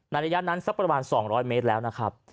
ระยะนั้นสักประมาณ๒๐๐เมตรแล้วนะครับ